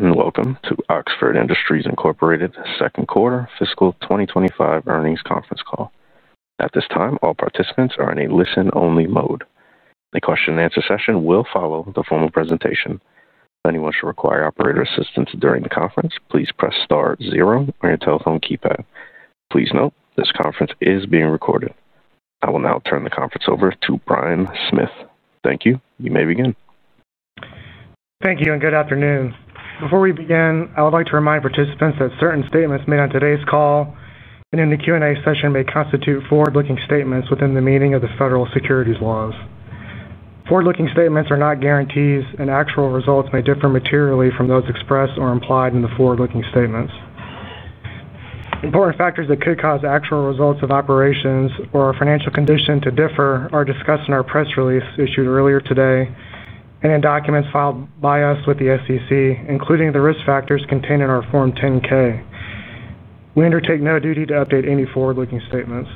Welcome to Oxford Industries, Inc.'s Second Quarter Fiscal 2025 Earnings Conference Call. At this time, all participants are in a listen-only mode. The question- and-answer session will follow the formal presentation. If anyone should require operator assistance during the conference, please press star zero on your telephone keypad. Please note, this conference is being recorded. I will now turn the conference over to Brian Smith. Thank you. You may begin. Thank you and good afternoon. Before we begin, I would like to remind participants that certain statements made on today's call and in the Q&A session may constitute forward-looking statements within the meaning of the federal securities laws. Forward-looking statements are not guarantees, and actual results may differ materially from those expressed or implied in the forward-looking statements. Important factors that could cause actual results of operations or financial condition to differ are discussed in our press release issued earlier today and in documents filed by us with the SEC, including the risk factors contained in our Form 10-K. We undertake no duty to update any forward-looking statements.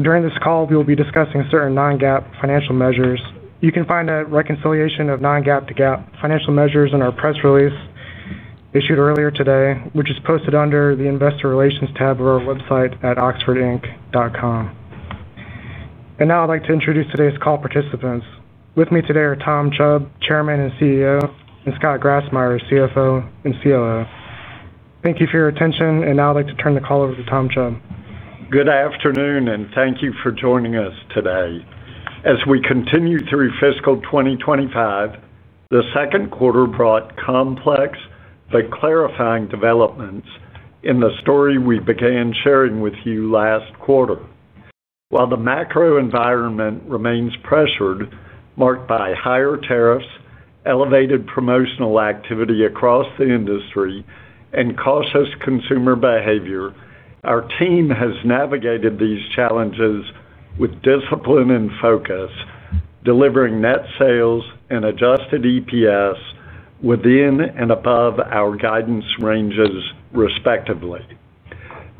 During this call, we will be discussing certain non-GAAP financial measures. You can find a reconciliation of non-GAAP to GAAP financial measures in our press release issued earlier today, which is posted under the Investor Relations tab of our website at oxfordinc.com.I would like to introduce today's call participants. With me today are Tom Chubb, Chairman and CEO, and Scott Grassmyer, CFO and COO. Thank you for your attention. I would like to turn the call over to Tom Chubb. Good afternoon and thank you for joining us today. As we continue through fiscal 2025, the second quarter brought complex but clarifying developments in the story we began sharing with you last quarter. While the macroeconomic environment remains pressured, marked by higher tariffs, elevated promotional activity across the industry, and cautious consumer behavior, our team has navigated these challenges with discipline and focus, delivering net sales and adjusted EPS within and above our guidance ranges, respectively.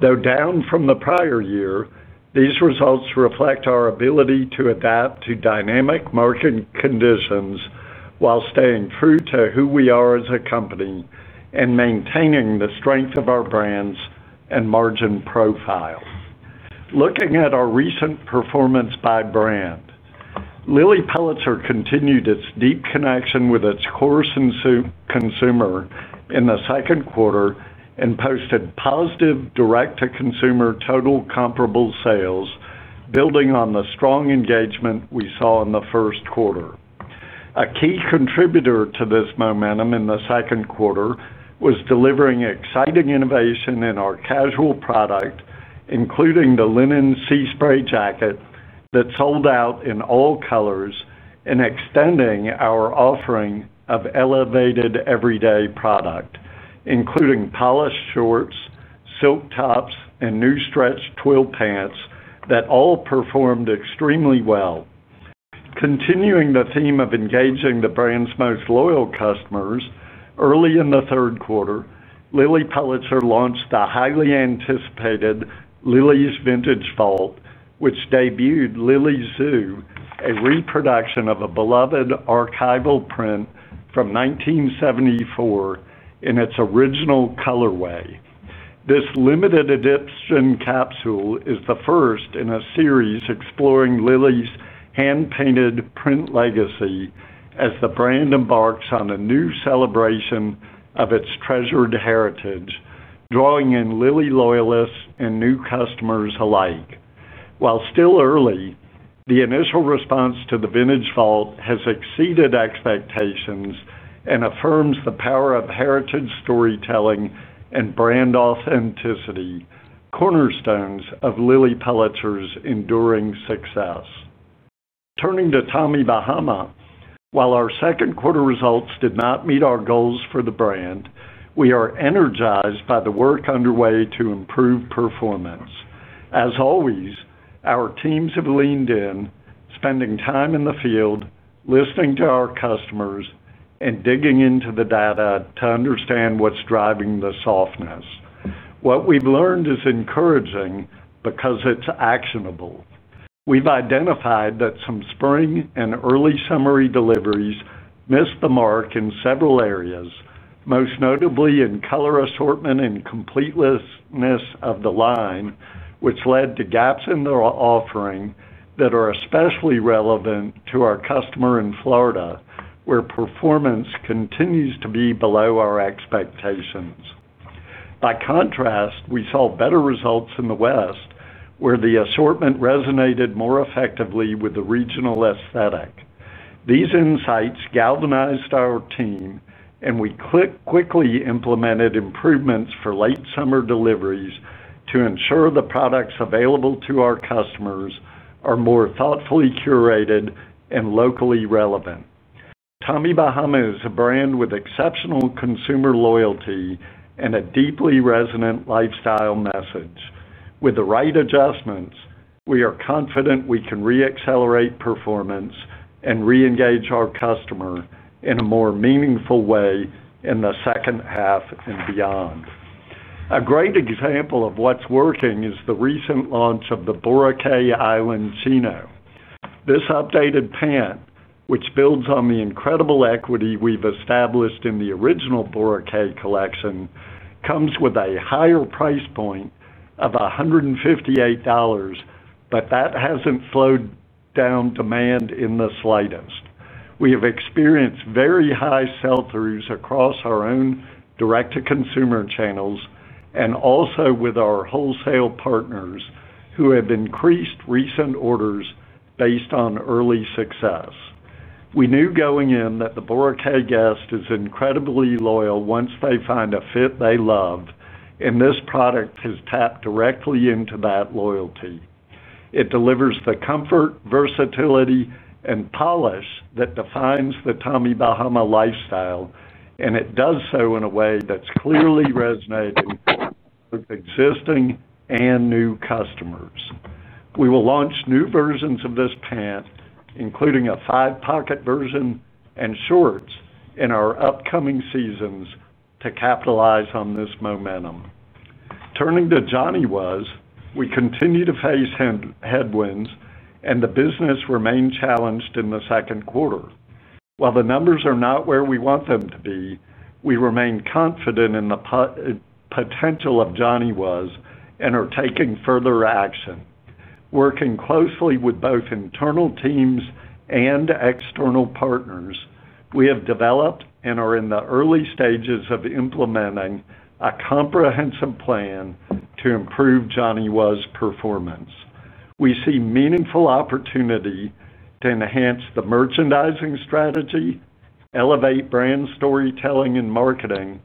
Though down from the prior year, these results reflect our ability to adapt to dynamic market conditions while staying true to who we are as a company and maintaining the strength of our brands and margin profile. Looking at our recent performance by brand, Lilly Pulitzer continued its deep connection with its core consumer in the second quarter and posted positive direct-to-consumer total comparable sales, building on the strong engagement we saw in the first quarter. A key contributor to this momentum in the second quarter was delivering exciting innovation in our casual product, including the linen sea spray jacket that sold out in all colors and extending our offering of elevated everyday product, including polished shorts, silk tops, and new stretch twill pants that all performed extremely well. Continuing the theme of engaging the brand's most loyal customers, early in the third quarter, Lilly Pulitzer launched the highly anticipated Lilly’s Vintage Vault, which debuted Lilly Zoo, a reproduction of a beloved archival print from 1974 in its original colorway. This limited edition capsule is the first in a series exploring Lilly's hand-painted print legacy as the brand embarks on a new celebration of its treasured heritage, drawing in Lilly loyalists and new customers alike. While still early, the initial response to the Vintage Vault has exceeded expectations and affirms the power of heritage storytelling and brand authenticity, cornerstones of Lilly Pulitzer's enduring success. Turning to Tommy Bahama. While our second quarter results did not meet our goals for the brand, we are energized by the work underway to improve performance. As always, our teams have leaned in, spending time in the field, listening to our customers, and digging into the data to understand what's driving the softness. What we've learned is encouraging because it's actionable. We've identified that some spring and early summer deliveries missed the mark in several areas, most notably in color assortment and completeness of the line, which led to gaps in the offering that are especially relevant to our customer in Florida, where performance continues to be below our expectations. By contrast, we saw better results in the West, where the assortment resonated more effectively with the regional aesthetic. These insights galvanized our team, and we quickly implemented improvements for late summer deliveries to ensure the products available to our customers are more thoughtfully curated and locally relevant. Tommy Bahama is a brand with exceptional consumer loyalty and a deeply resonant lifestyle message. With the right adjustments, we are confident we can re-accelerate performance and re-engage our customer in a more meaningful way in the second half and beyond. A great example of what's working is the recent launch of the Boracay Island Chino. This updated pant, which builds on the incredible equity we've established in the original Boracay collection, comes with a higher price point of $158, but that hasn't slowed down demand in the slightest. We have experienced very high sell-throughs across our own direct-to-consumer channels and also with our wholesale partners who have increased recent orders based on early success. We knew going in that the Boracay guest is incredibly loyal once they find a fit they love, and this product has tapped directly into that loyalty. It delivers the comfort, versatility, and polish that defines the Tommy Bahama lifestyle, and it does so in a way that's clearly resonating with existing and new customers. We will launch new versions of this pant, including a five-pocket version and shorts in our upcoming seasons to capitalize on this momentum. Turning to Johnny Was, we continue to face headwinds, and the business remains challenged in the second quarter. While the numbers are not where we want them to be, we remain confident in the potential of Johnny Was and are taking further action. Working closely with both internal teams and external partners, we have developed and are in the early stages of implementing a comprehensive plan to improve Johnny Was's performance. We see meaningful opportunity to enhance the merchandising strategy, elevate brand storytelling and marketing,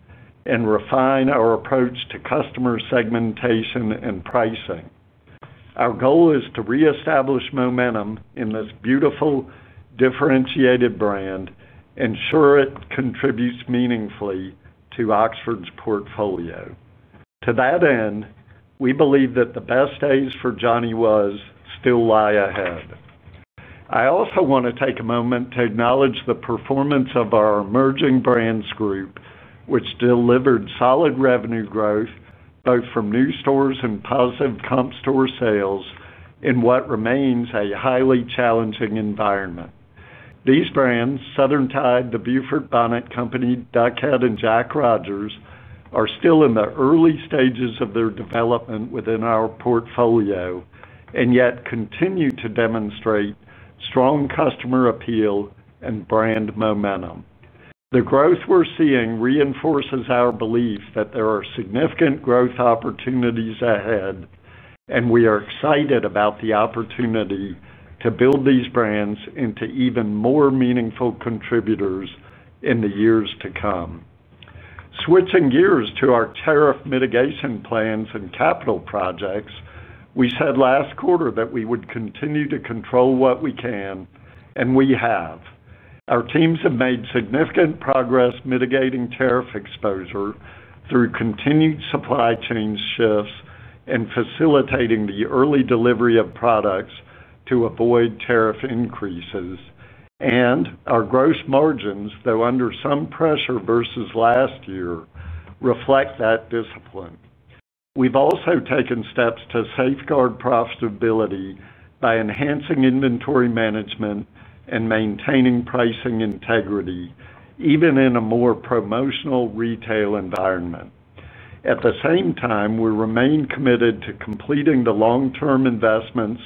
and refine our approach to customer segmentation and pricing. Our goal is to reestablish momentum in this beautiful, differentiated brand and ensure it contributes meaningfully to Oxford's portfolio. To that end, we believe that the best days for Johnny Was still lie ahead. I also want to take a moment to acknowledge the performance of our Emerging Brands Group, which delivered solid revenue growth both from new stores and positive comp store sales in what remains a highly challenging environment. These brands, Southern Tide, The Beaufort Bonnet Company, Duck Head, and Jack Rogers, are still in the early stages of their development within our portfolio and yet continue to demonstrate strong customer appeal and brand momentum. The growth we're seeing reinforces our belief that there are significant growth opportunities ahead, and we are excited about the opportunity to build these brands into even more meaningful contributors in the years to come. Switching gears to our tariff mitigation plans and capital projects, we said last quarter that we would continue to control what we can, and we have. Our teams have made significant progress mitigating tariff exposure through continued supply chain shifts and facilitating the early delivery of products to avoid tariff increases, and our gross margins, though under some pressure versus last year, reflect that discipline. We've also taken steps to safeguard profitability by enhancing inventory management and maintaining pricing integrity, even in a more promotional retail environment. At the same time, we remain committed to completing the long-term investments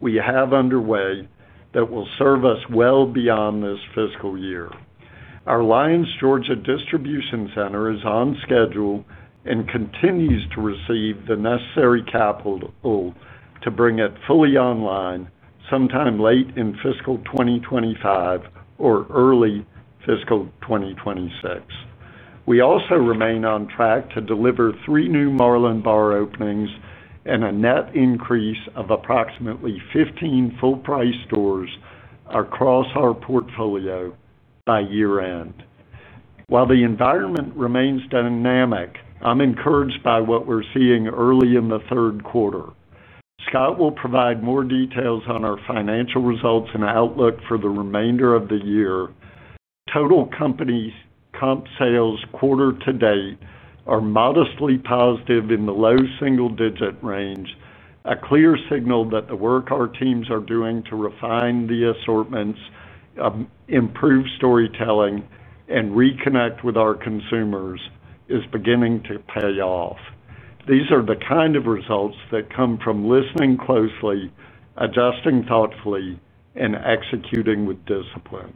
we have underway that will serve us well beyond this fiscal year. Our Lyons, Georgia distribution center is on schedule and continues to receive the necessary capital to bring it fully online sometime late in fiscal 2025 or early fiscal 2026. We also remain on track to deliver three new Marlin Bar openings and a net increase of approximately 15 full-price stores across our portfolio by year-end. While the environment remains dynamic, I'm encouraged by what we're seeing early in the third quarter. Scott will provide more details on our financial results and outlook for the remainder of the year. Total company comp sales quarter to date are modestly positive in the low single-digit range, a clear signal that the work our teams are doing to refine the assortments, improve storytelling, and reconnect with our consumers is beginning to pay off. These are the kind of results that come from listening closely, adjusting thoughtfully, and executing with discipline.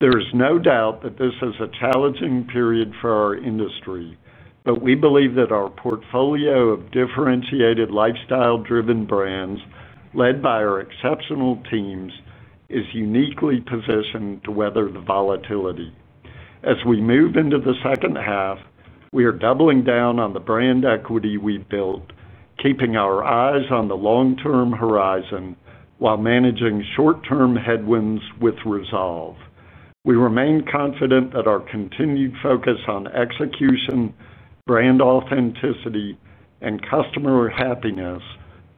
There is no doubt that this is a challenging period for our industry, but we believe that our portfolio of differentiated lifestyle-driven brands, led by our exceptional teams, is uniquely positioned to weather the volatility. As we move into the second half, we are doubling down on the brand equity we've built, keeping our eyes on the long-term horizon while managing short-term headwinds with resolve. We remain confident that our continued focus on execution, brand authenticity, and customer happiness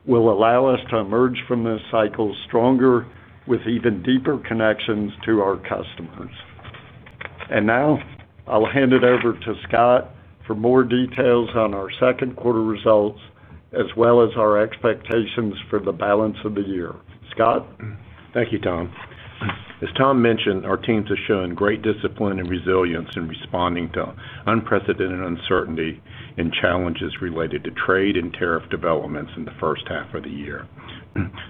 will allow us to emerge from this cycle stronger with even deeper connections to our customers. Now, I'll hand it over to Scott for more details on our second quarter results as well as our expectations for the balance of the year. Scott? Thank you, Tom. As Tom mentioned, our teams have shown great discipline and resilience in responding to unprecedented uncertainty and challenges related to trade and tariff developments in the first half of the year.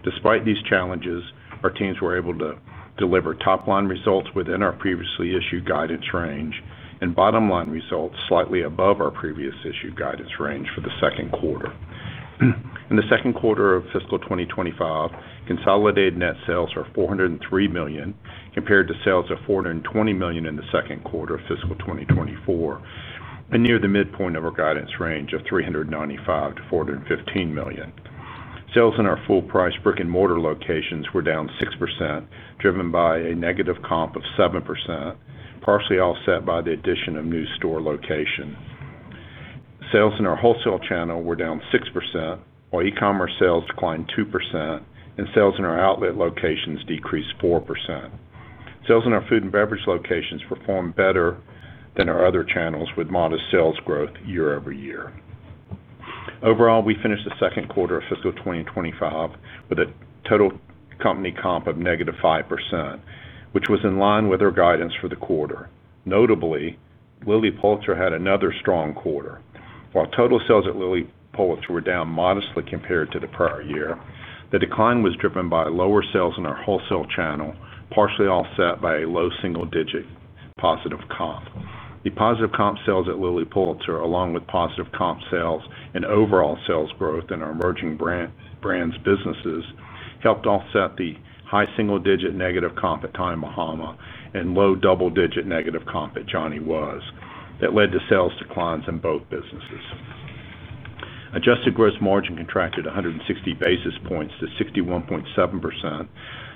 Despite these challenges, our teams were able to deliver top-line results within our previously issued guidance range and bottom-line results slightly above our previously issued guidance range for the second quarter. In the second quarter of fiscal 2025, consolidated net sales are $403 million compared to sales of $420 million in the second quarter of fiscal 2024 and near the midpoint of our guidance range of $395 million-$415 million. Sales in our full-price brick-and-mortar locations were down 6%, driven by a negative comp of 7%, partially offset by the addition of new store locations. Sales in our wholesale channel were down 6%, while e-commerce sales declined 2%, and sales in our outlet locations decreased 4%. Sales in our food and beverage locations performed better than our other channels with modest sales growth year-over-year. Overall, we finished the second quarter of fiscal 2025 with a total company comp of negative 5%, which was in line with our guidance for the quarter. Notably, Lilly Pulitzer had another strong quarter. While total sales at Lilly Pulitzer were down modestly compared to the prior year, the decline was driven by lower sales in our wholesale channel, partially offset by a low single-digit positive comp. The positive comp sales at Lilly Pulitzer, along with positive comp sales and overall sales growth in our Emerging Brands businesses, helped offset the high single-digit negative comp at Tommy Bahama and low double-digit negative comp at Johnny Was that led to sales declines in both businesses. Adjusted gross margin contracted 160 basis points to 61.7%,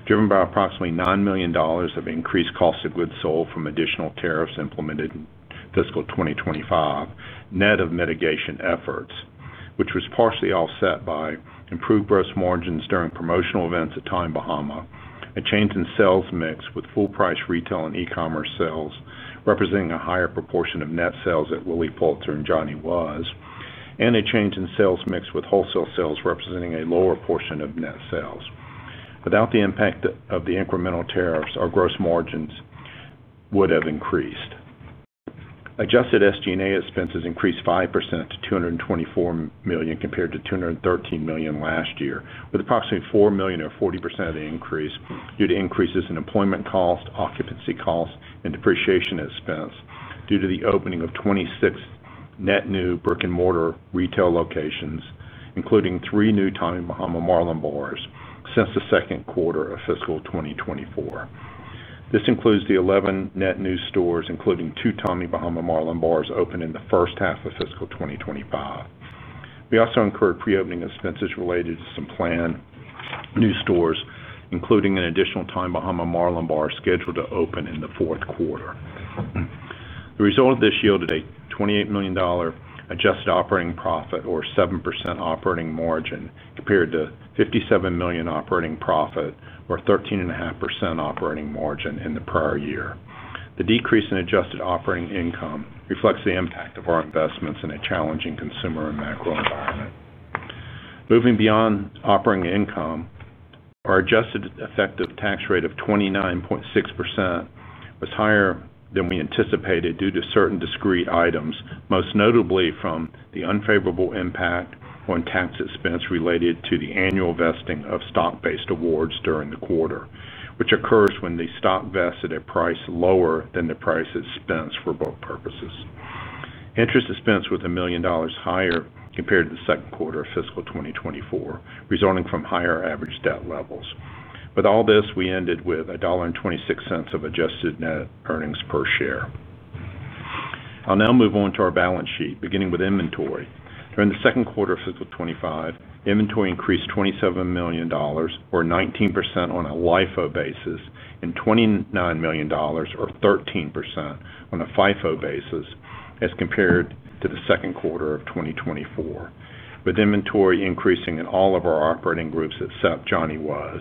driven by approximately $9 million of increased cost of goods sold from additional tariffs implemented in fiscal 2025, net of mitigation efforts, which was partially offset by improved gross margins during promotional events at Tommy Bahama, a change in sales mix with full-price retail and e-commerce sales representing a higher proportion of net sales at Lilly Pulitzer and Johnny Was, and a change in sales mix with wholesale sales representing a lower portion of net sales. Without the impact of the incremental tariffs, our gross margins would have increased. Adjusted SG&A expenses increased 5% to $224 million compared to $213 million last year, with approximately $4 million or 40% increase due to increases in employment cost, occupancy cost, and depreciation expense due to the opening of 26 net new brick-and-mortar retail locations, including three new Tommy Bahama Marlin Bars since the second quarter of fiscal 2024. This includes the 11 net new stores, including two Tommy Bahama Marlin Bars opened in the first half of fiscal 2025. We also incurred pre-opening expenses related to some planned new stores, including an additional Tommy Bahama Marlin Bar scheduled to open in the fourth quarter. The result of this yielded a $28 million adjusted operating profit or 7% operating margin compared to $57 million operating profit or 13.5% operating margin in the prior year. The decrease in adjusted operating income reflects the impact of our investments in a challenging consumer and macroeconomic environment. Moving beyond operating income, our adjusted effective tax rate of 29.6% was higher than we anticipated due to certain discrete items, most notably from the unfavorable impact on tax expense related to the annual vesting of stock-based awards during the quarter, which occurs when the stock vests at a price lower than the price expensed for both purposes. Interest expense was $1 million higher compared to the second quarter of fiscal 2024, resulting from higher average debt levels. With all this, we ended with $1.26 of adjusted net earnings per share. I'll now move on to our balance sheet, beginning with inventory. During the second quarter of fiscal 2025, the inventory increased $27 million or 19% on a LIFO basis and $29 million or 13% on a FIFO basis as compared to the second quarter of 2024, with inventory increasing in all of our operating groups except Johnny Was,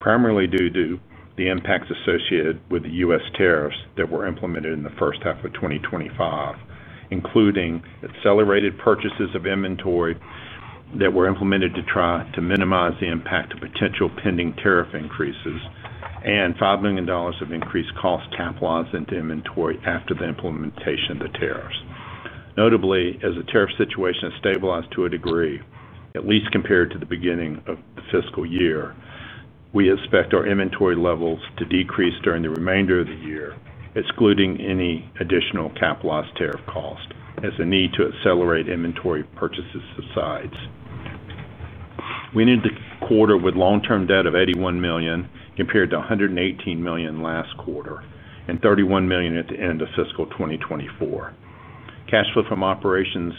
primarily due to the impacts associated with the U.S. tariffs that were implemented in the first half of 2025, including accelerated purchases of inventory that were implemented to try to minimize the impact of potential pending tariff increases and $5 million of increased costs capitalized into inventory after the implementation of the tariffs. Notably, as the tariff situation has stabilized to a degree, at least compared to the beginning of the fiscal year, we expect our inventory levels to decrease during the remainder of the year, excluding any additional capitalized tariff cost as the need to accelerate inventory purchases subsides. We ended the quarter with long-term debt of $81 million compared to $118 million last quarter and $31 million at the end of fiscal 2024. Cash flow from operations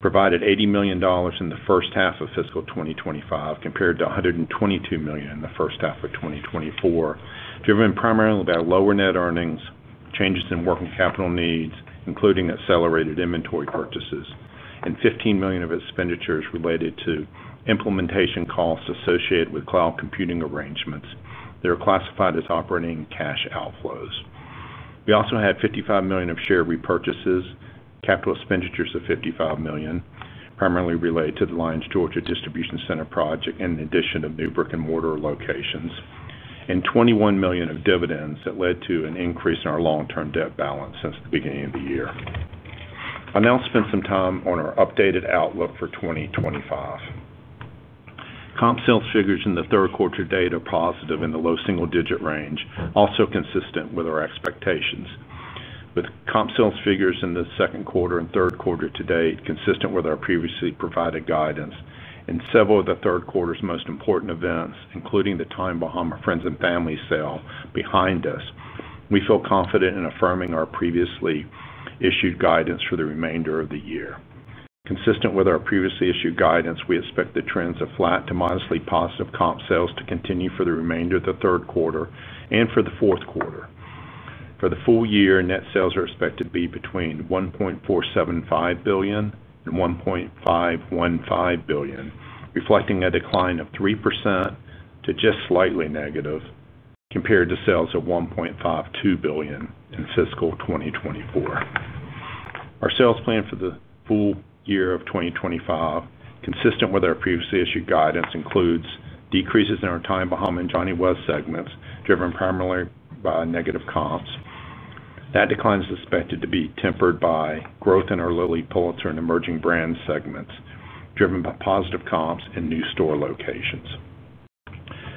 provided $80 million in the first half of fiscal 2025 compared to $122 million in the first half of 2024, driven primarily by lower net earnings, changes in working capital needs, including accelerated inventory purchases, and $15 million of expenditures related to implementation costs associated with cloud computing arrangements that are classified as operating cash outflows. We also had $55 million of share repurchases, capital expenditures of $55 million, primarily related to the Lyons, Georgia distribution center project and the addition of new brick-and-mortar locations, and $21 million of dividends that led to an increase in our long-term debt balance since the beginning of the year. I'll now spend some time on our updated outlook for 2025. Comp sales figures in the third quarter to date are positive in the low single-digit range, also consistent with our expectations. With comp sales figures in the second quarter and third quarter to date consistent with our previously provided guidance and several of the third quarter's most important events, including the Tommy Bahama Friends and Family sale behind us, we feel confident in affirming our previously issued guidance for the remainder of the year. Consistent with our previously issued guidance, we expect the trends of flat to modestly positive comp sales to continue for the remainder of the third quarter and for the fourth quarter. For the full year, net sales are expected to be between $1.475 billion and $1.515 billion, reflecting a decline of 3% to just slightly negative compared to sales of $1.52 billion in fiscal 2024. Our sales plan for the full year of 2025, consistent with our previously issued guidance, includes decreases in our Tommy Bahama and Johnny Was segments, driven primarily by negative comps. That decline is expected to be tempered by growth in our Lilly Pulitzer and emerging brand segments, driven by positive comps and new store locations.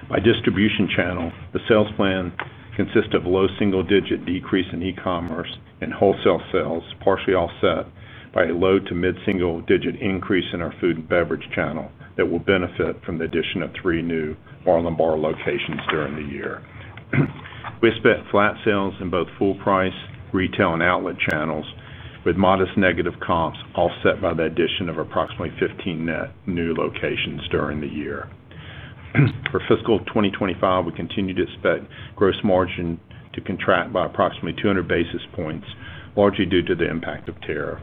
By distribution channel, the sales plan consists of a low single-digit decrease in e-commerce and wholesale sales, partially offset by a low to mid-single-digit increase in our food and beverage channel that will benefit from the addition of three new Marlin Bar locations during the year. We expect flat sales in both full-price retail and outlet channels, with modest negative comps offset by the addition of approximately 15 net new locations during the year. For fiscal 2025, we continue to expect gross margin to contract by approximately 200 basis points, largely due to the impact of tariffs,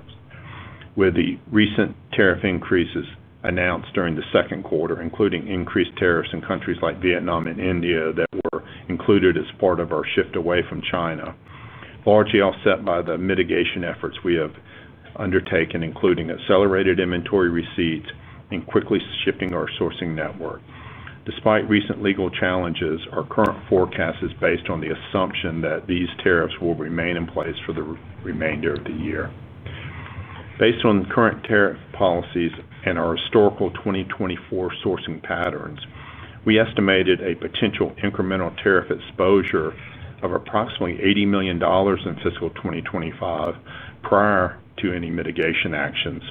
with the recent tariff increases announced during the second quarter, including increased tariffs in countries like Vietnam and India that were included as part of our shift away from China, largely offset by the mitigation efforts we have undertaken, including accelerated inventory receipts and quickly shifting our sourcing network. Despite recent legal challenges, our current forecast is based on the assumption that these tariffs will remain in place for the remainder of the year. Based on current tariff policies and our historical 2024 sourcing patterns, we estimated a potential incremental tariff exposure of approximately $80 million in fiscal 2025 prior to any mitigation actions,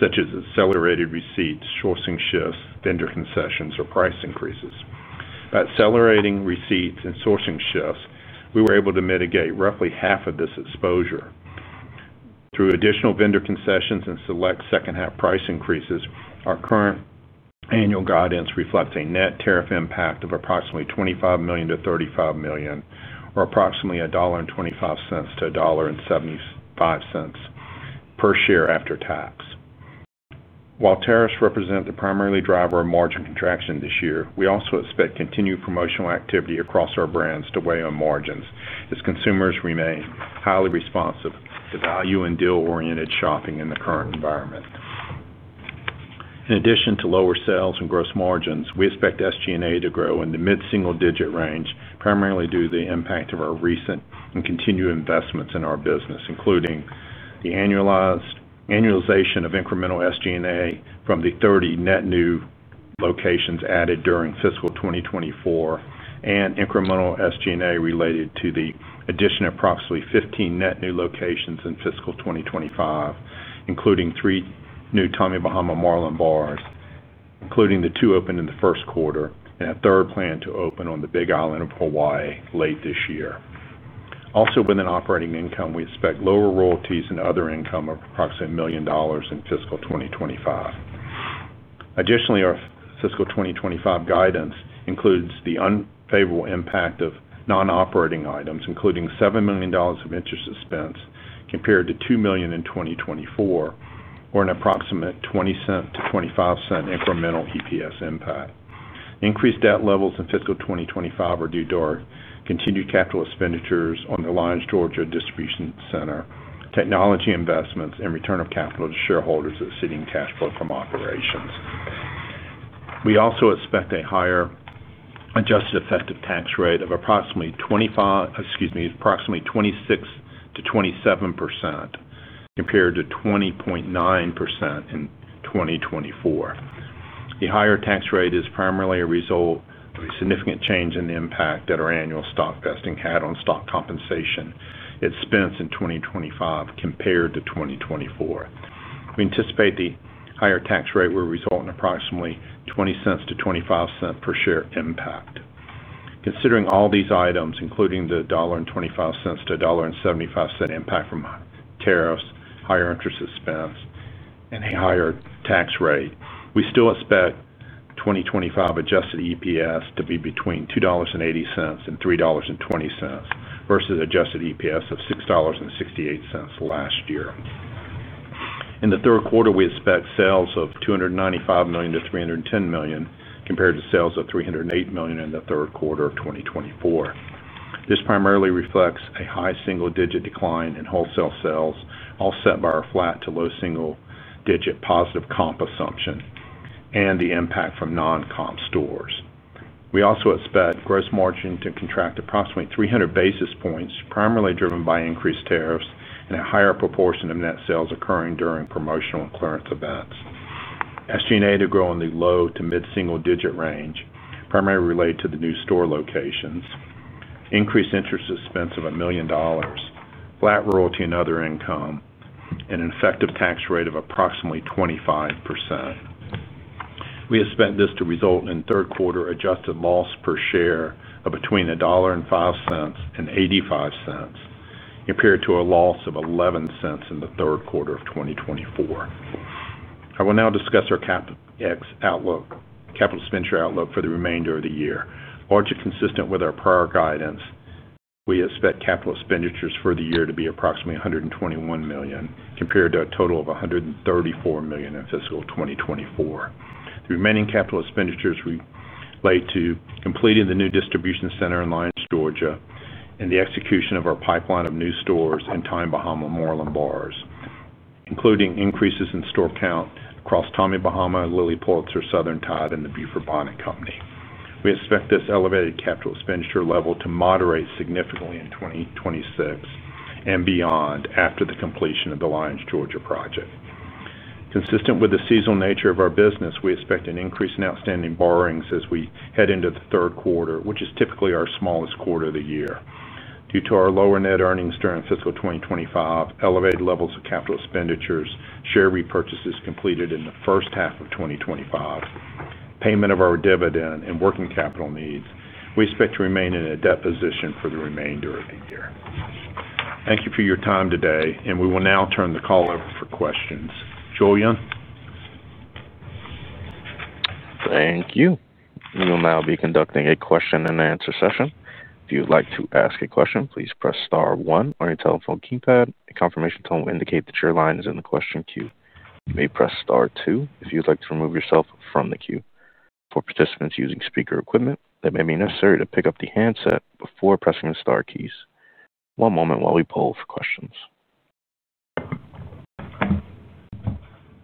such as accelerated receipts, sourcing shifts, vendor concessions, or price increases. By accelerating receipts and sourcing shifts, we were able to mitigate roughly half of this exposure. Through additional vendor concessions and select second-half price increases, our current annual guidance reflects a net tariff impact of approximately $25 million-$35 million, or approximately $1.25-$1.75 per share after tax. While tariffs represent the primary driver of margin contraction this year, we also expect continued promotional activity across our brands to weigh on margins as consumers remain highly responsive to value and deal-oriented shopping in the current environment. In addition to lower sales and gross margins, we expect SG&A to grow in the mid-single-digit range, primarily due to the impact of our recent and continued investments in our business, including the annualization of incremental SG&A from the 30 net new locations added during fiscal 2024 and incremental SG&A related to the addition of approximately 15 net new locations in fiscal 2025, including three new Tommy Bahama Marlin Bars, including the two opened in the first quarter and a third planned to open on the Big Island of Hawaii late this year. Also, within operating income, we expect lower royalties and other income of approximately $1 million in fiscal 2025. Additionally, our fiscal 2025 guidance includes the unfavorable impact of non-operating items, including $7 million of interest expense compared to $2 million in 2024, or an approximate $0.20-$0.25 incremental EPS impact. Increased debt levels in fiscal 2025 are due to our continued capital expenditures on the Lions, Georgia distribution center, technology investments, and return of capital to shareholders exceeding cash flow from operations. We also expect a higher adjusted effective tax rate of approximately 26%-27% compared to 20.9% in 2024. The higher tax rate is primarily a result of a significant change in the impact that our annual stock vesting had on stock compensation expense in 2025 compared to 2024. We anticipate the higher tax rate will result in approximately $0.20-$0.25 per share impact. Considering all these items, including the $1.25-$1.75 impact from tariffs, higher interest expense, and a higher tax rate, we still expect 2025 adjusted EPS to be between $2.80 and $3.20 versus adjusted EPS of $6.68 last year. In the third quarter, we expect sales of $295 million-$310 million compared to sales of $308 million in the third quarter of 2024. This primarily reflects a high single-digit decline in wholesale sales, offset by our flat to low single-digit positive comp assumption and the impact from non-comp stores. We also expect gross margin to contract approximately 300 basis points, primarily driven by increased tariffs and a higher proportion of net sales occurring during promotional and clearance events. SG&A to grow in the low to mid-single-digit range, primarily related to the new store locations, increased interest expense of $1 million, flat royalty and other income, and an effective tax rate of approximately 25%. We expect this to result in third-quarter adjusted loss per share of between $1.05 and $0.85 compared to a loss of $0.11 in the third quarter of 2024. I will now discuss our CapEx outlook, capital expenditure outlook for the remainder of the year, largely consistent with our prior guidance. We expect capital expenditures for the year to be approximately $121 million compared to a total of $134 million in fiscal 2024. The remaining capital expenditures relate to completing the new distribution center in Lyons, Georgia, and the execution of our pipeline of new stores and Tommy Bahama Marlin Bars, including increases in store count across Tommy Bahama, Lilly Pulitzer, Southern Tide, and The Beaufort Bonnet Company. We expect this elevated capital expenditure level to moderate significantly in 2026 and beyond after the completion of the Lyons, Georgia project. Consistent with the seasonal nature of our business, we expect an increase in outstanding borrowings as we head into the third quarter, which is typically our smallest quarter of the year. Due to our lower net earnings during fiscal 2025, elevated levels of capital expenditures, share repurchases completed in the first half of 2025, payment of our dividend, and working capital needs, we expect to remain in a debt position for the remainder of the year. Thank you for your time today, and we will now turn the call over for questions. Julian? Thank you. We will now be conducting a question- and-answer session. If you would like to ask a question, please press star one on your telephone keypad. A confirmation tone will indicate that your line is in the question queue. You may press star two if you would like to remove yourself from the queue. For participants using speaker equipment, it may be necessary to pick up the handset before pressing the star keys. One moment while we poll for questions.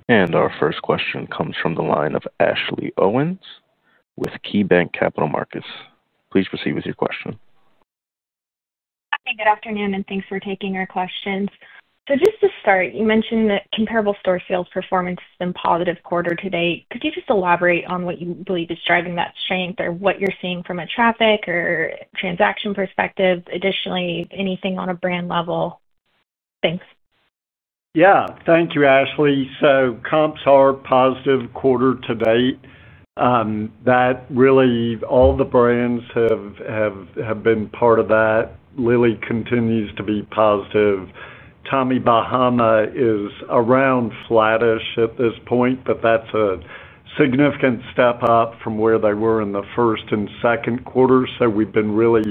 Our first question comes from the line of Ashley Owens with KeyBanc Capital Markets. Please proceed with your question. Hi, good afternoon, and thanks for taking our questions. Just to start, you mentioned that comparable store sales performance has been positive quarter to date. Could you just elaborate on what you believe is driving that strength or what you're seeing from a traffic or transaction perspective? Additionally, anything on a brand level? Thanks. Yeah, thank you, Ashley. Comps are positive quarter to date. All the brands have been part of that. Lilly continues to be positive. Tommy Bahama is around flattish at this point, but that's a significant step up from where they were in the first and second quarters. We've been really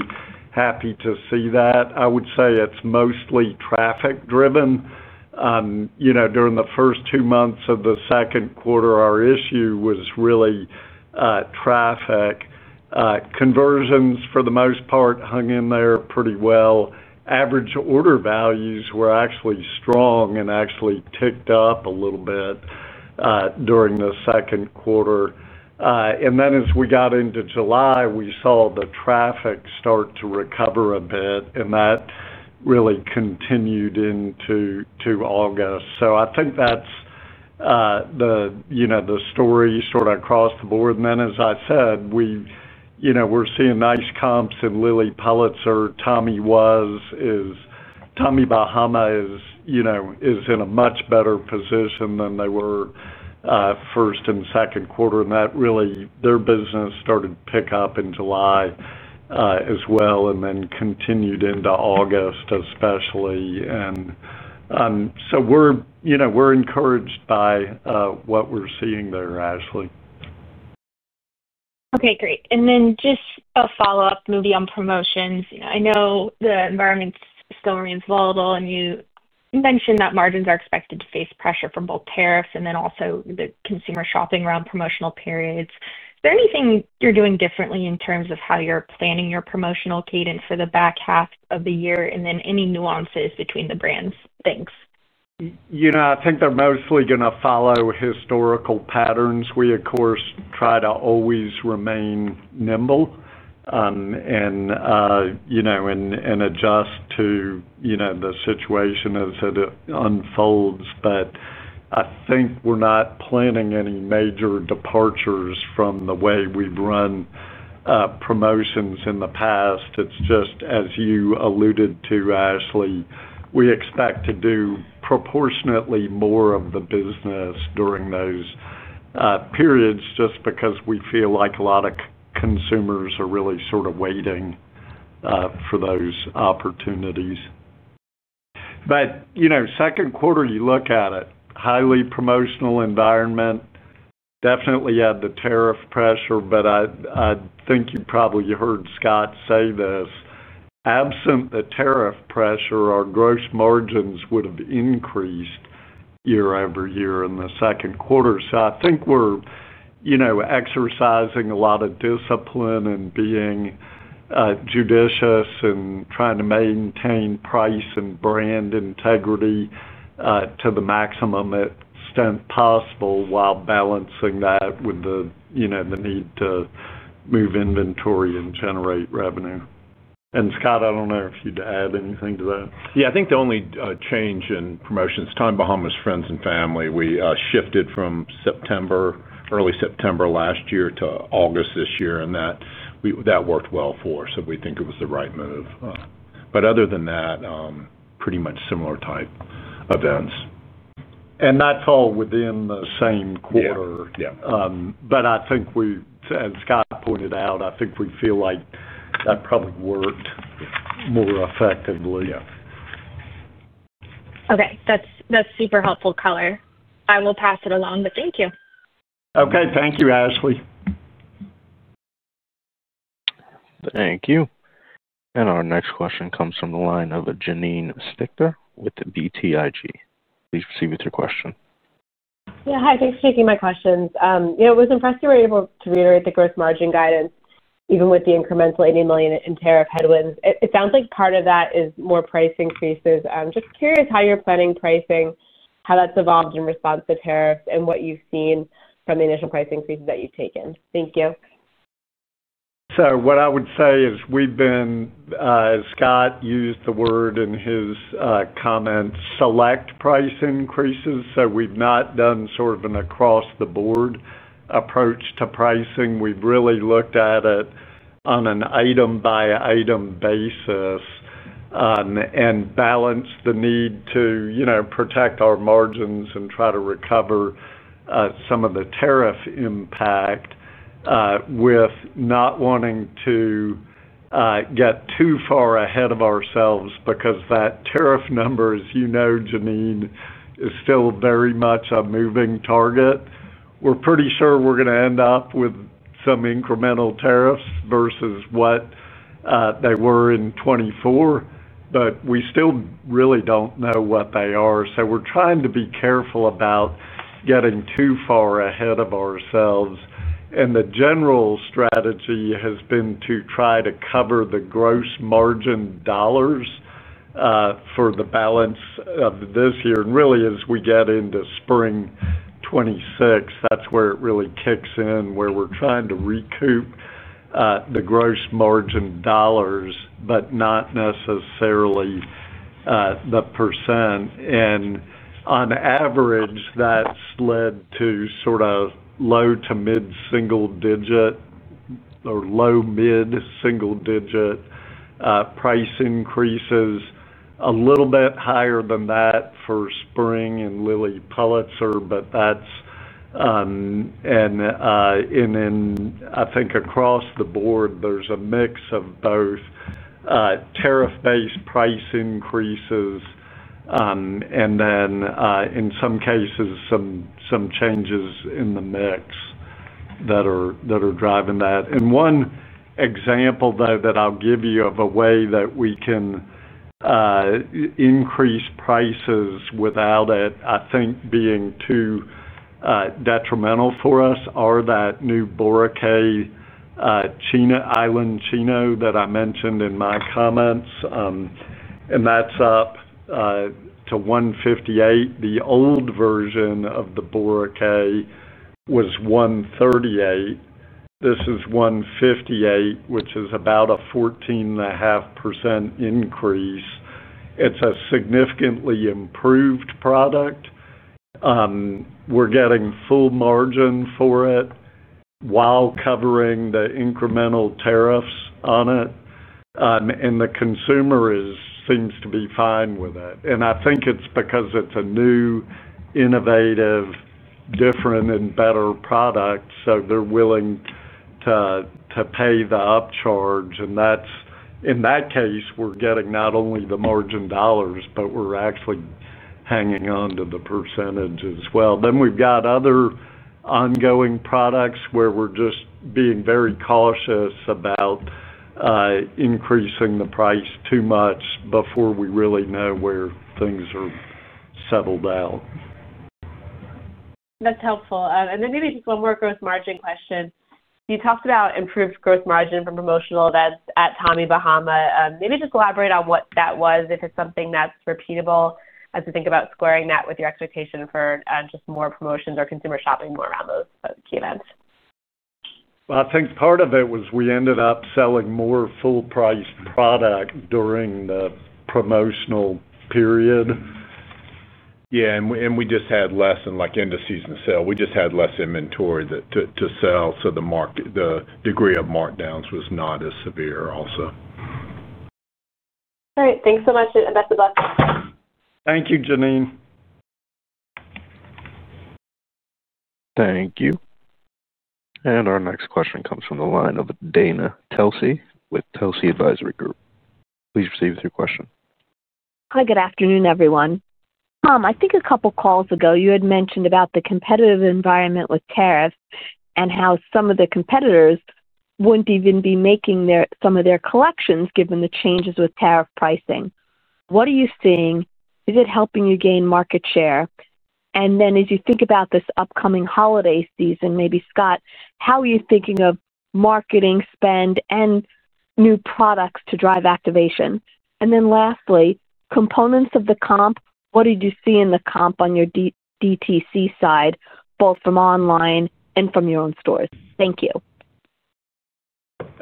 happy to see that. I would say it's mostly traffic-driven. During the first two months of the second quarter, our issue was really traffic. Conversions for the most part hung in there pretty well. Average order values were actually strong and actually ticked up a little bit during the second quarter. As we got into July, we saw the traffic start to recover a bit, and that really continued into August. I think that's the story sort of across the board. As I said, we're seeing nice comps in Lilly Pulitzer. Tommy Bahama is in a much better position than they were first and second quarter, and their business started to pick up in July as well and then continued into August, especially. We're encouraged by what we're seeing there, Ashley. Okay, great. Just a follow-up, maybe on promotions. I know the environment still remains volatile, and you mentioned that margins are expected to face pressure from both tariffs and also the consumer shopping around promotional periods. Is there anything you're doing differently in terms of how you're planning your promotional cadence for the back half of the year, and any nuances between the brands? Thanks? I think they're mostly going to follow historical patterns. We, of course, try to always remain nimble and adjust to the situation as it unfolds. I think we're not planning any major departures from the way we've run promotions in the past. It's just, as you alluded to, Ashley, we expect to do proportionately more of the business during those periods just because we feel like a lot of consumers are really sort of waiting for those opportunities. Second quarter, you look at it, highly promotional environment, definitely add the tariff pressure, but I think you probably heard Scott say this. Absent the tariff pressure, our gross margins would have increased year-over-year in the second quarter. I think we're exercising a lot of discipline and being judicious and trying to maintain price and brand integrity to the maximum extent possible while balancing that with the need to move inventory and generate revenue. Scott, I don't know if you'd add anything to that. Yeah, I think the only change in promotions, Tommy Bahama's Friends and Family, we shifted from September, early September last year to August this year, and that worked well for us, so we think it was the right move. Other than that, pretty much similar type events. That is all within the same quarter. Yeah, yeah. I think we, as Scott pointed out, feel like that probably worked more effectively. Yeah. Okay, that's super helpful color. I will pass it along, thank you. Okay, thank you, Ashley. Thank you. Our next question comes from the line of Janine Stichter with BTIG. Please proceed with your question. Yeah, hi, thanks for taking my questions. I was impressed you were able to reiterate the gross margin guidance, even with the incremental $80 million in tariff headwinds. It sounds like part of that is more price increases. I'm just curious how you're planning pricing, how that's evolved in response to tariffs, and what you've seen from the initial price increases that you've taken. Thank you. What I would say is we've been, as Scott used the word in his comment, select price increases. We've not done sort of an across-the-board approach to pricing. We've really looked at it on an item-by-item basis and balanced the need to, you know, protect our margins and try to recover some of the tariff impact with not wanting to get too far ahead of ourselves because that tariff number, as you know, Janine, is still very much a moving target. We're pretty sure we're going to end up with some incremental tariffs versus what they were in 2024, but we still really don't know what they are. We're trying to be careful about getting too far ahead of ourselves. The general strategy has been to try to cover the gross margin dollars for the balance of this year. Really, as we get into spring 2026, that's where it really kicks in, where we're trying to recoup the gross margin dollars, but not necessarily the percent. On average, that led to sort of low to mid-single-digit or low mid-single-digit price increases, a little bit higher than that for spring in Lilly Pulitzer, and then I think across the board, there's a mix of both tariff-based price increases and, in some cases, some changes in the mix that are driving that. One example that I'll give you of a way that we can increase prices without it, I think, being too detrimental for us is that new Boracay Island Chino that I mentioned in my comments. That's up to $158. The old version of the Boracay was $138. This is $158, which is about a 14.5% increase. It's a significantly improved product. We're getting full margin for it while covering the incremental tariffs on it, and the consumer seems to be fine with it. I think it's because it's a new, innovative, different, and better product, so they're willing to pay the upcharge. In that case, we're getting not only the margin dollars, but we're actually hanging on to the percentage as well. We've got other ongoing products where we're just being very cautious about increasing the price too much before we really know where things are settled out. That's helpful. Maybe just one more gross margin question. You talked about improved gross margin from promotional activity at Tommy Bahama. Maybe just elaborate on what that was, if it's something that's repeatable, as you think about squaring that with your expectation for just more promotions or consumer shopping more around those key events. I think part of it was we ended up selling more full-priced product during the promotional period. Yeah, we just had less, and like end-of-season sale, we just had less inventory to sell. The market, the degree of markdowns was not as severe also. All right, thanks so much, and best of luck. Thank you, Janine. Thank you. Our next question comes from the line of Dana Telsey with Telsey Advisory Group. Please proceed with your question. Hi, good afternoon, everyone. Tom, I think a couple of calls ago, you had mentioned about the competitive environment with tariffs and how some of the competitors wouldn't even be making some of their collections given the changes with tariff pricing. What are you seeing? Is it helping you gain market share? As you think about this upcoming holiday season, maybe Scott, how are you thinking of marketing spend and new products to drive activation? Lastly, components of the comp, what did you see in the comp on your DTC side, both from online and from your own stores? Thank you.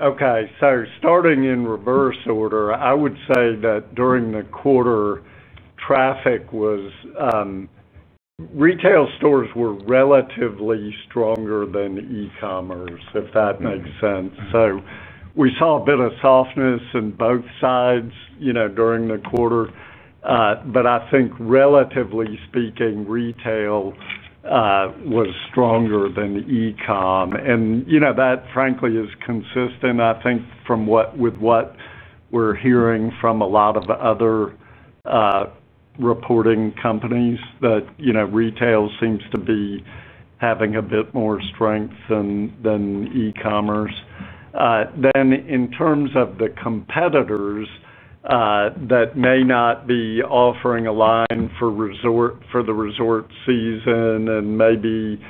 Okay, starting in reverse order, I would say that during the quarter, traffic was, retail stores were relatively stronger than e-commerce, if that makes sense. We saw a bit of softness in both sides during the quarter, but I think relatively speaking, retail was stronger than e-com. That, frankly, is consistent, I think, with what we're hearing from a lot of other reporting companies that retail seems to be having a bit more strength than e-commerce. In terms of the competitors that may not be offering a line for the resort season and maybe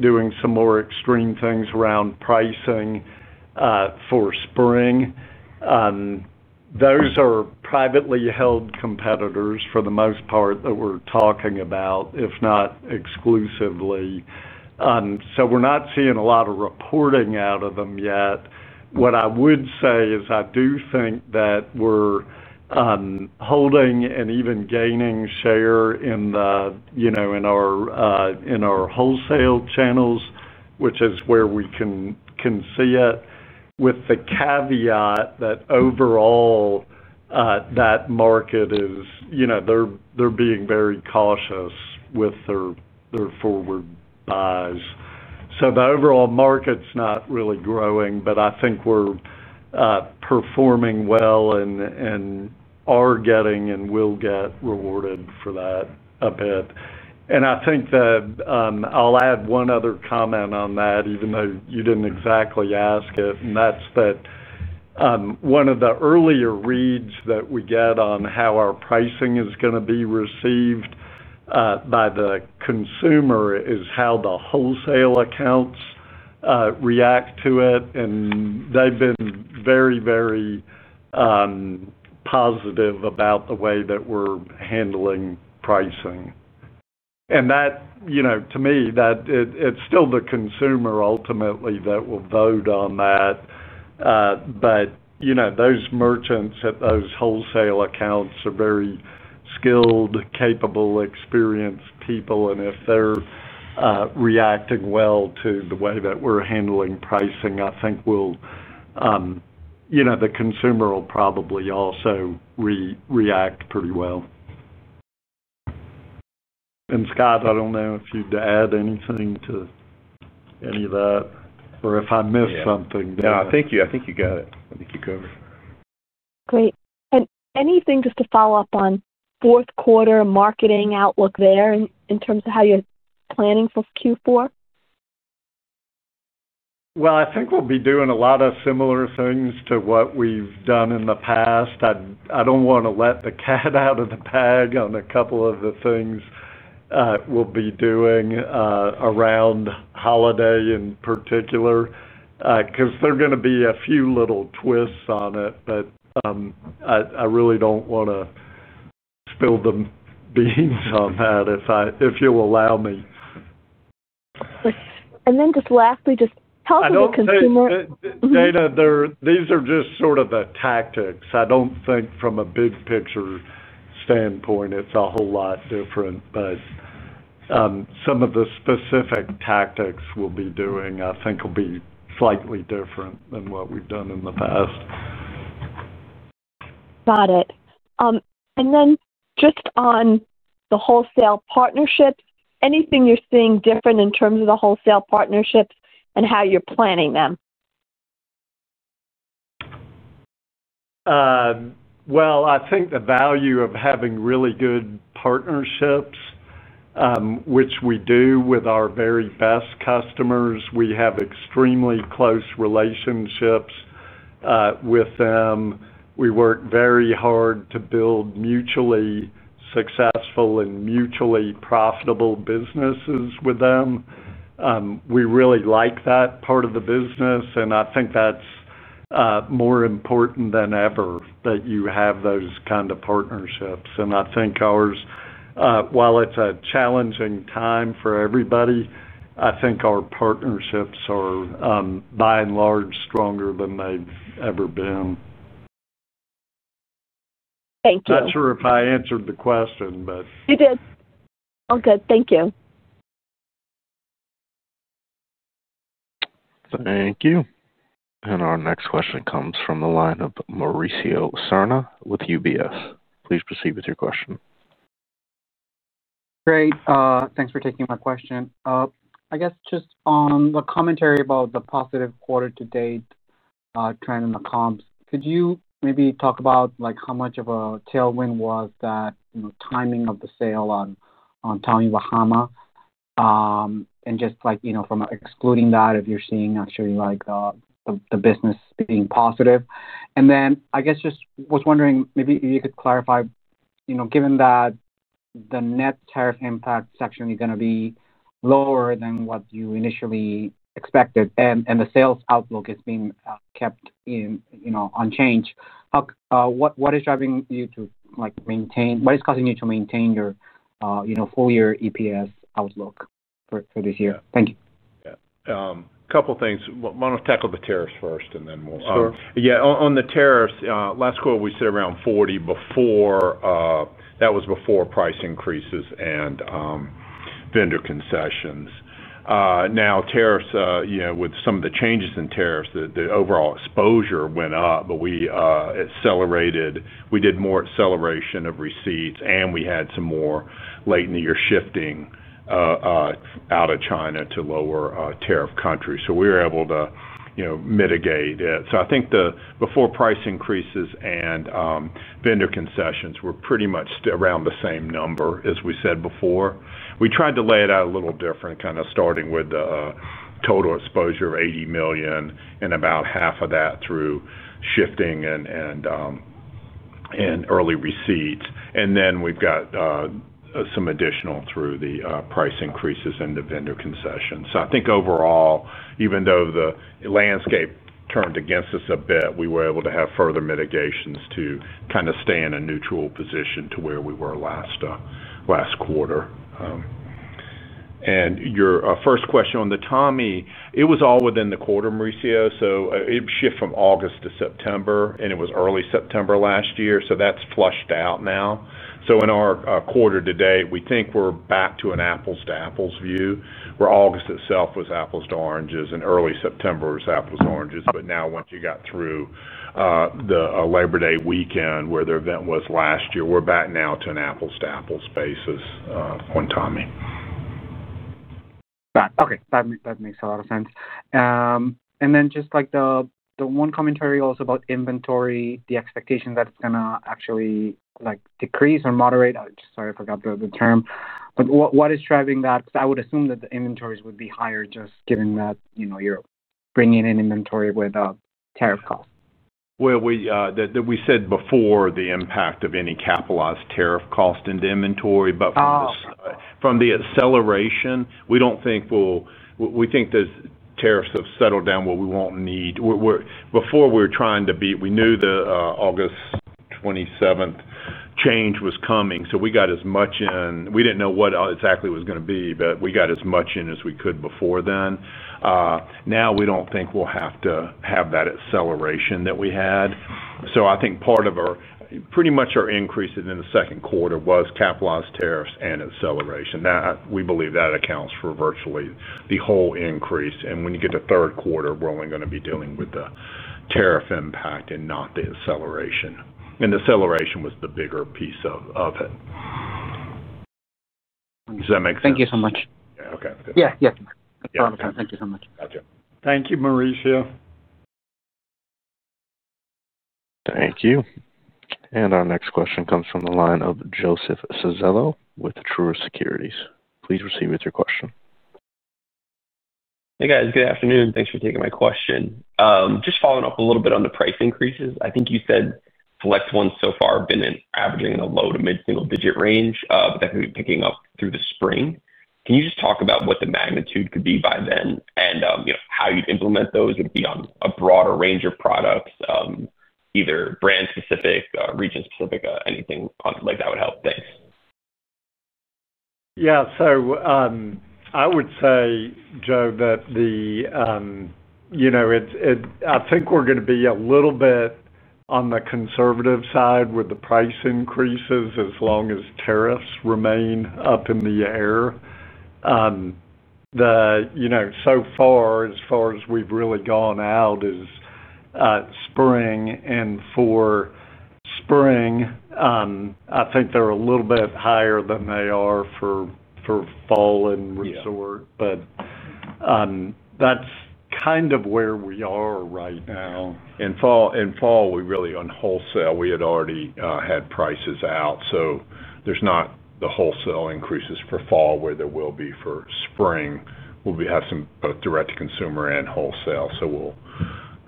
doing some more extreme things around pricing for spring, those are privately held competitors for the most part that we're talking about, if not exclusively. We're not seeing a lot of reporting out of them yet. What I would say is I do think that we're holding and even gaining share in our wholesale channels, which is where we can see it, with the caveat that overall, that market is being very cautious with their forward buys. The overall market's not really growing, but I think we're performing well and are getting and will get rewarded for that a bit. I'll add one other comment on that, even though you didn't exactly ask it, and that's that one of the earlier reads that we get on how our pricing is going to be received by the consumer is how the wholesale accounts react to it. They've been very, very positive about the way that we're handling pricing. To me, it's still the consumer ultimately that will vote on that, but those merchants at those wholesale accounts are very skilled, capable, experienced people. If they're reacting well to the way that we're handling pricing, I think the consumer will probably also react pretty well. Scott, I don't know if you'd add anything to any of that, or if I missed something. No, I think you got it. I think you covered it. Great. Anything just to follow up on fourth quarter marketing outlook there in terms of how you're planning for Q4? I think we'll be doing a lot of similar things to what we've done in the past. I don't want to let the cat out of the bag on a couple of the things we'll be doing around holiday in particular, because they're going to be a few little twists on it. I really don't want to spill the beans on that if you'll allow me. Lastly, just tell us about consumer. Dana, these are just sort of the tactics. I don't think from a big picture standpoint it's a whole lot different, but some of the specific tactics we'll be doing I think will be slightly different than what we've done in the past. Got it. And then just on the wholesale partnerships, anything you're seeing different in terms of the wholesale partnerships and how you're planning them? I think the value of having really good partnerships, which we do with our very best customers, is significant. We have extremely close relationships with them. We work very hard to build mutually successful and mutually profitable businesses with them. We really like that part of the business, and I think that's more important than ever that you have those kinds of partnerships. I think ours, while it's a challenging time for everybody, are, by and large, stronger than they've ever been. Thank you. I'm not sure if I answered the question. You did. All good. Thank you. Thank you. Our next question comes from the line of Mauricio Serna with UBS. Please proceed with your question. Great, thanks for taking my question. I guess just on the commentary about the positive quarter-to-date trend in the comps, could you maybe talk about how much of a tailwind was that timing of the sale on Tommy Bahama? Just from excluding that, if you're seeing actually the business being positive. I was wondering if you could clarify, given that the net tariff impact section is going to be lower than what you initially expected and the sales outlook is being kept unchanged, what is driving you to maintain your full-year EPS outlook for this year? Thank you. Yeah, a couple of things. I want to tackle the tariffs first. Yeah, on the tariffs, last quarter we said around $40 million before, that was before price increases and vendor concessions. Now tariffs, with some of the changes in tariffs, the overall exposure went up, but we accelerated, we did more acceleration of receipts and we had some more late in the year shifting out of China to lower tariff countries. We were able to mitigate it. I think the before price increases and vendor concessions were pretty much around the same number as we said before. We tried to lay it out a little different, kind of starting with the total exposure of $80 million and about half of that through shifting and early receipts. Then we've got some additional through the price increases and the vendor concessions. I think overall, even though the landscape turned against us a bit, we were able to have further mitigations to kind of stay in a neutral position to where we were last quarter. Your first question on the Tommy, it was all within the quarter, Mauricio. It shifted from August to September, and it was early September last year. That's flushed out now. In our quarter to date, we think we're back to an apples-to-apples view where August itself was apples to oranges and early September was apples to oranges. Now once you got through the Labor Day weekend where the event was last year, we're back now to an apples-to-apples basis on Tommy. Got it. Okay. That makes a lot of sense. Then just like the one commentary also about inventory, the expectation that it's going to actually decrease or moderate, I'm sorry, I forgot the term. What is driving that? I would assume that the inventories would be higher just given that, you know, you're bringing in inventory with a tariff cost. We said before the impact of any capitalized tariff cost into inventory. From the acceleration, we don't think we'll, we think the tariffs have settled down, we won't need. Before, we were trying to be, we knew the August 27th change was coming. We got as much in, we didn't know what exactly it was going to be, but we got as much in as we could before then. Now we don't think we'll have to have that acceleration that we had. I think part of our, pretty much our increase in the second quarter was capitalized tariffs and acceleration. We believe that accounts for virtually the whole increase. When you get to third quarter, we're only going to be dealing with the tariff impact and not the acceleration. The acceleration was the bigger piece of it. Does that make sense? Thank you so much. Yeah, okay. Yeah, yeah. All right, thank you so much. Gotcha. Thank you, Mauricio. Thank you. Our next question comes from the line of Joseph Civello with Truist Securities. Please proceed with your question. Hey guys, good afternoon. Thanks for taking my question. Just following up a little bit on the price increases. I think you said select ones so far have been averaging in a low to mid-single-digit range, but that could be picking up through the spring. Can you just talk about what the magnitude could be by then and, you know, how you'd implement those? It'd be on a broader range of products, either brand-specific, region-specific, anything like that would help. Thanks. Yeah, I would say, Joe, that, you know, I think we're going to be a little bit on the conservative side with the price increases as long as tariffs remain up in the air. So far, as far as we've really gone out is spring, and for spring, I think they're a little bit higher than they are for fall and resort. That's kind of where we are right now. In fall, we really, on wholesale, we had already had prices out. There's not the wholesale increases for fall where there will be for spring. We'll have some both direct-to-consumer and wholesale. We'll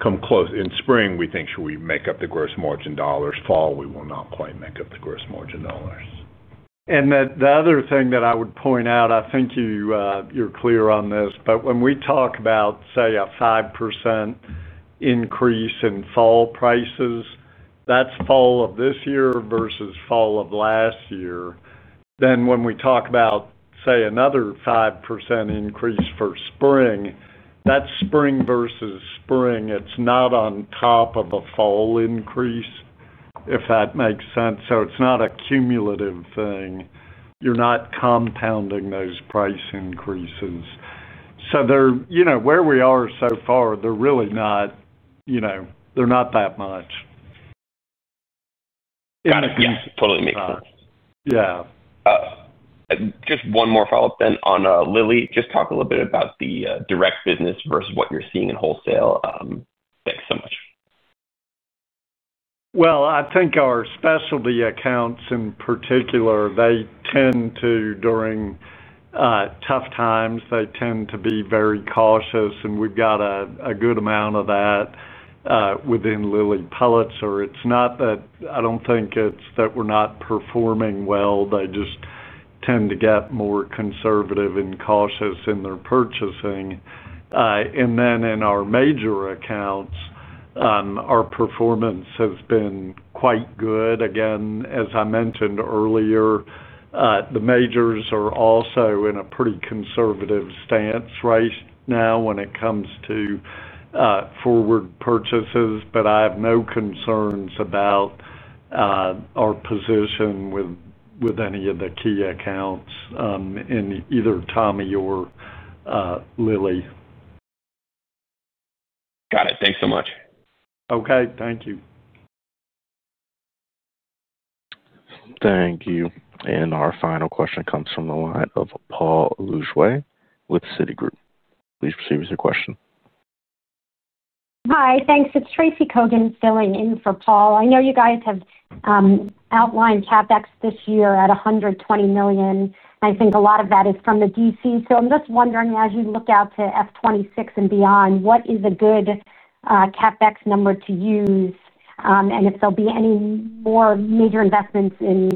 come close. In spring, we think we make up the gross margin dollars. Fall, we will not quite make up the gross margin dollars. The other thing that I would point out, I think you're clear on this, but when we talk about, say, a 5% increase in fall prices, that's fall of this year versus fall of last year. When we talk about, say, another 5% increase for spring, that's spring versus spring. It's not on top of a fall increase, if that makes sense. It's not a cumulative thing. You're not compounding those price increases. Where we are so far, they're really not, you know, they're not that much. Yeah, it totally makes sense. Yeah. Just one more follow-up then on Lilly. Just talk a little bit about the Direct business versus what you're seeing in Wholesale. Thanks so much. I think our specialty accounts in particular, they tend to, during tough times, they tend to be very cautious, and we've got a good amount of that within Lilly Pulitzer. It's not that I don't think it's that we're not performing well. They just tend to get more conservative and cautious in their purchasing. In our major accounts, our performance has been quite good. Again, as I mentioned earlier, the majors are also in a pretty conservative stance right now when it comes to forward purchases, but I have no concerns about our position with any of the key accounts in either Tommy Bahama or Lilly. Got it. Thanks so much. Okay, thank you. Thank you. Our final question comes from the line of Paul Lujoy with Citigroup. Please proceed with your question. Hi, thanks. It's Tracy Kogan filling in for Paul. I know you guys have outlined CapEx this year at $120 million, and I think a lot of that is from the distribution center. I'm just wondering, as you look out to fiscal 2026 and beyond, what is a good CapEx number to use, and if there'll be any more major investments in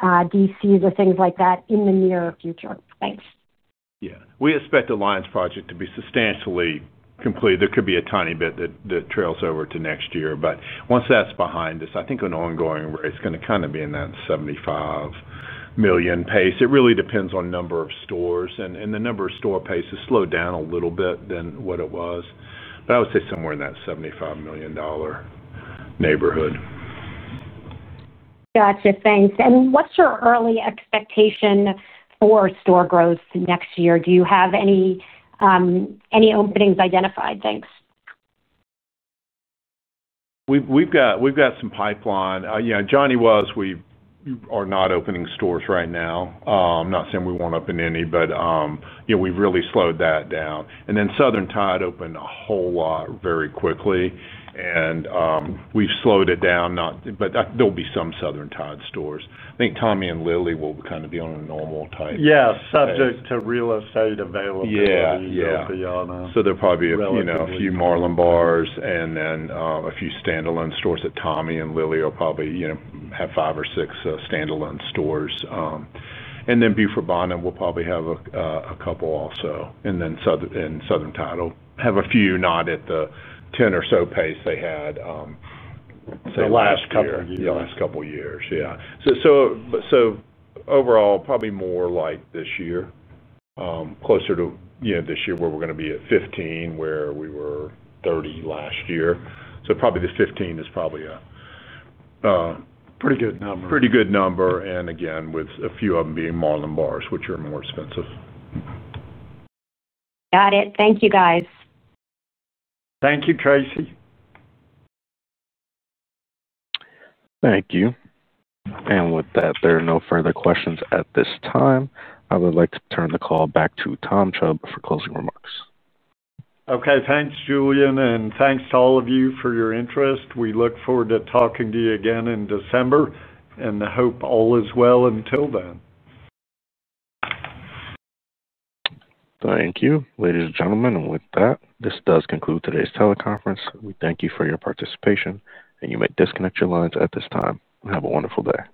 DCs or things like that in the near future? Thanks. Yeah, we expect the Lyons project to be substantially complete. There could be a tiny bit that trails over to next year. Once that's behind us, I think an ongoing rate is going to kind of be in that $75 million pace. It really depends on the number of stores, and the number of store pace has slowed down a little bit than what it was. I would say somewhere in that $75 million neighborhood. Thanks. What's your early expectation for store growth next year? Do you have any openings identified? Thanks. We've got some pipeline. You know, Johnny Was, we are not opening stores right now. I'm not saying we won't open any, but, you know, we've really slowed that down. Southern Tide opened a whole lot very quickly, and we've slowed it down, but there'll be some Southern Tide stores. I think Tommy and Lilly will kind of be on a normal type. Yeah, subject to real estate availability. Yeah, yeah. There'll probably be a few Marlin Bars and then a few standalone stores at Tommy and Lilly Pulitzer. We'll probably have five or six standalone stores, and then The Beaufort Bonnet will probably have a couple also. Southern Tide will have a few, not at the 10 or so pace they had the last couple of years. Overall, probably more like this year, closer to this year where we're going to be at 15, where we were 30 last year. So probably the 15 is probably a pretty good number. Pretty good number. Again, with a few of them being Marlin Bars, which are more expensive. Got it. Thank you, guys. Thank you, Tracy. Thank you. With that, there are no further questions at this time. I would like to turn the call back to Tom Chubb for closing remarks. Okay, thanks, Julian, and thanks to all of you for your interest. We look forward to talking to you again in December, and I hope all is well until then. Thank you, ladies and gentlemen. With that, this does conclude today's teleconference. We thank you for your participation, and you may disconnect your lines at this time. Have a wonderful day.